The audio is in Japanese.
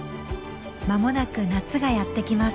間もなく夏がやって来ます。